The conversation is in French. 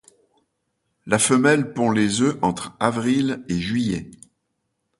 La femelle pond les œufs entre avril et juillet.